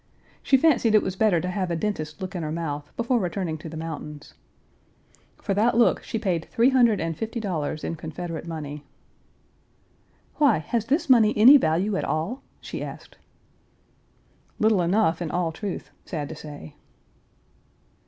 She fancied it was better to have a dentist look in her mouth before returning to the mountains. For that look she paid three hundred and fifty dollars in Confederate money. "Why, has this money any value at all?" she asked. Little enough in all truth, sad to say.